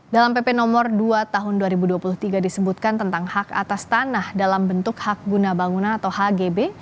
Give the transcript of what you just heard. dalam pp nomor dua tahun dua ribu dua puluh tiga disebutkan tentang hak atas tanah dalam bentuk hak guna bangunan atau hgb